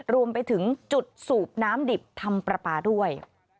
รวมไปถึงจุดสูบน้ำดิบทำปลาปลาด้วย